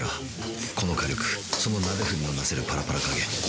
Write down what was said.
この火力その鍋振りのなせるパラパラ加減